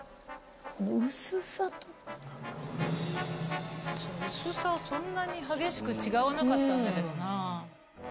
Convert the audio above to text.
薄さはそんなに激しく違わなかったんだけどなぁ。